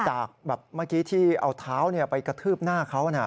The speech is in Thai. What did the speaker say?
จากแบบเมื่อกี้ที่เอาเท้าไปกระทืบหน้าเขานะ